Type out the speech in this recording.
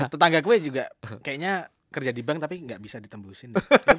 tetangga gue juga kayaknya kerja di bank tapi nggak bisa ditembusin